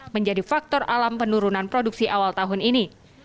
menjadi faktor alam penurunan produksi awal tahun ini